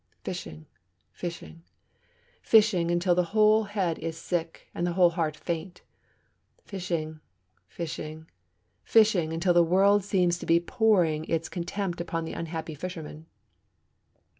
Fishing, fishing, fishing, until the whole head is sick and the whole heart faint. Fishing, fishing, fishing, until the whole world seems to be pouring its contempt upon the unhappy fisherman.